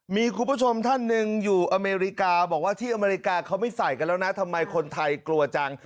มีคุณผู้ชมท่านหนึ่งอยู่อเมริกาบอกว่าที่อเมริกาเขาไม่ใส่กันแล้วนะทำไมคนไทยกลัวจัง